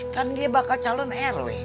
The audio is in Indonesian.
kan ini bakal calon rw